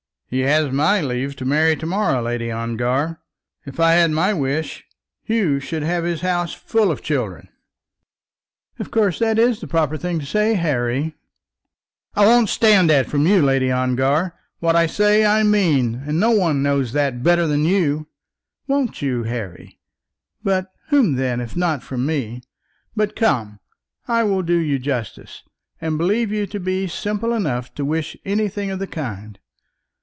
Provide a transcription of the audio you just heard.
"He has my leave to marry to morrow, Lady Ongar. If I had my wish, Hugh should have his house full of children." "Of course that is the proper thing to say, Harry." "I won't stand that from you, Lady Ongar. What I say, I mean; and no one knows that better than you." "Won't you, Harry? From whom, then, if not from me? But come, I will do you justice, and believe you to be simple enough to wish anything of the kind.